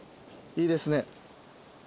いいですね。